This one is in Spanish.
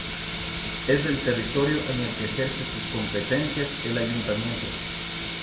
Es el territorio en el que ejerce sus competencias el ayuntamiento.